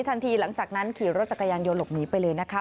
หลังจากนั้นขี่รถจักรยานยนต์หลบหนีไปเลยนะคะ